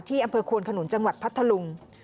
อำเภอควนขนุนจังหวัดพัทธลุง